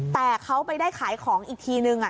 แต่เขาไปได้ขายของอีกทีนึง